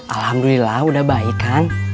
alhamdulillah udah baik kan